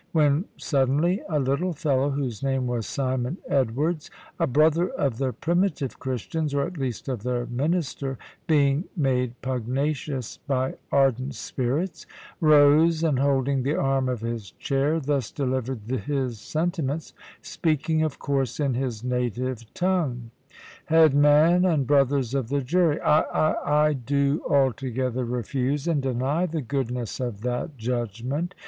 When suddenly a little fellow, whose name was Simon Edwards, a brother of the primitive Christians, or at least of their minister, being made pugnacious by ardent spirits, rose, and holding the arm of his chair, thus delivered his sentiments; speaking, of course, in his native tongue. "Head man, and brothers of the jury, I I I do altogether refuse and deny the goodness of that judgment.